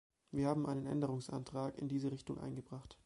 Wir haben einen Änderungsantrag in diese Richtung eingebracht.